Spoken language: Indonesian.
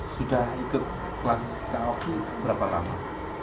sudah ikut kelas coki berapa lama